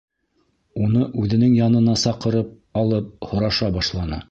Уны үҙенең янына саҡырып алып һораша башланы: